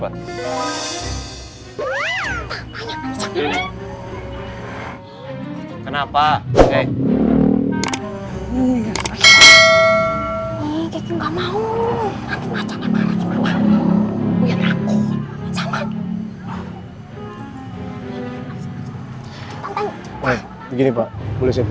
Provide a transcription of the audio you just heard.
tak payah ngejakin